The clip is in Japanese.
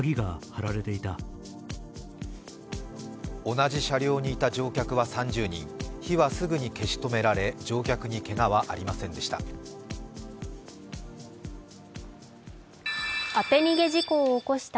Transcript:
同じ車両にいた乗客は３０人、火はすぐに消し止められ乗客にけがはありませんでした。